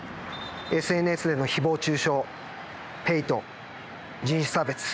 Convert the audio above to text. ＳＮＳでの誹謗中傷ヘイト人種差別。